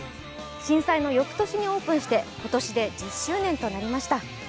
震災の翌年にオープンして今年で１０周年になりました。